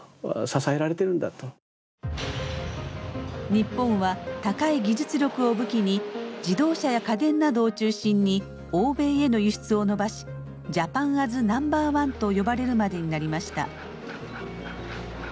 日本は高い技術力を武器に自動車や家電などを中心に欧米への輸出を伸ばし「ジャパンアズナンバーワン」と呼ばれるまでになりました。